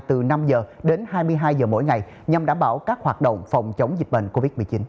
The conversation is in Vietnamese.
từ năm h đến hai mươi hai giờ mỗi ngày nhằm đảm bảo các hoạt động phòng chống dịch bệnh covid một mươi chín